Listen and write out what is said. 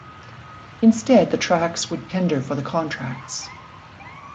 Instead the tracks would tender for the contracts.